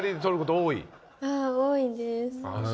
多いです。